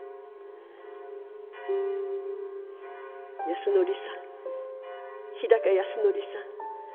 「安典さん日高安典さん。